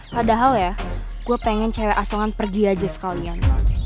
padahal ya gue pengen cewek asangan pergi aja sekalian